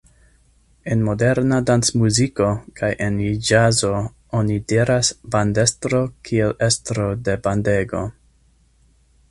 En moderna dancmuziko kaj en ĵazo oni diras bandestro kiel estro de bandego.